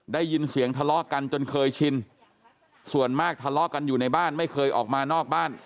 ได้ยินเสียงทะเลาะกันจนเคยชินส่วนมากทะเลาะกันอยู่ในบ้านไม่เคยออกมานอกบ้าน